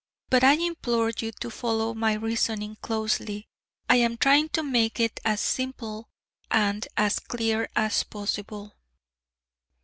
But I implore you to follow my reasoning closely; I am trying to make it as simple and as clear as possible.